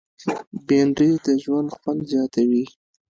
بېنډۍ د ژوند خوند زیاتوي